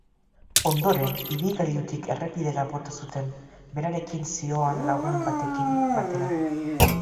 Ondoren, ibilgailutik errepidera bota zuten, berarekin zihoan lagun batekin batera.